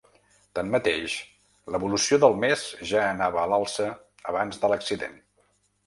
Tanmateix, l’evolució del mes ja anava a l’alça abans de l’accident.